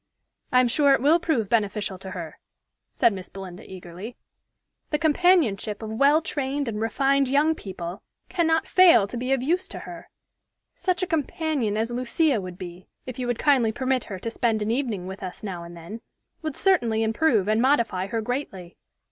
"I am sure it will prove beneficial to her," said Miss Belinda eagerly. "The companionship of well trained and refined young people cannot fail to be of use to her. Such a companion as Lucia would be, if you would kindly permit her to spend an evening with us now and then, would certainly improve and modify her greatly. Mr.